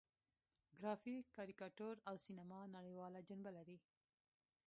ګرافیک، کاریکاتور او سینما نړیواله جنبه لري.